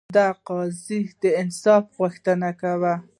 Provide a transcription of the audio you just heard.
دا قاضي د انصاف غوښتنه کوي.